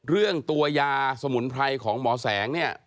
เรื่องตัวยาสมุนไพรของหมอแสงเนี่ย